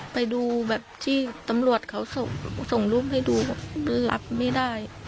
ไปดูแบบที่ตำรวจเขาส่งรูปให้ดูแบบรับไม่ได้